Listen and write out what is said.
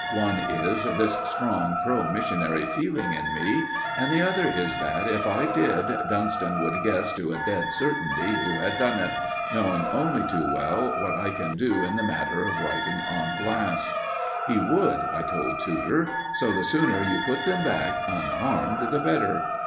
One is this strong pro missionary feeling in me, and the other is that, if I did, Dunston would guess to a dead certainty who had done it, knowing only too well what I can do in the matter of writing on glass." "He would," I told Tudor. "So the sooner you put them back unharmed, the better."